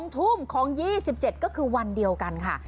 ๒ทุ่มของ๒๗ก็คือวันเดียวกันค่ะ